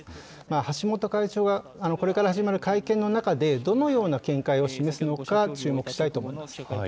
橋本会長がこれから始まる会見の中で、どのような見解を示すのか、注目したいと思います。